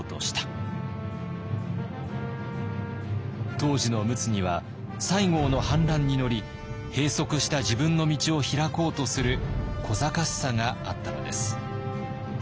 当時の陸奥には西郷の反乱に乗り閉塞した自分の道を開こうとするこざかしさがあったのです。